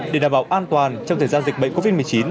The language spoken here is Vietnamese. để đảm bảo an toàn trong thời gian dịch bệnh covid một mươi chín